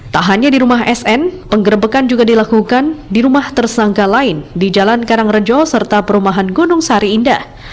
tak hanya di rumah sn penggerbekan juga dilakukan di rumah tersangka lain di jalan karangrejo serta perumahan gunung sari indah